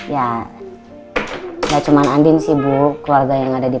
ya nggak cuma andin sibuk keluarganya juga sibuk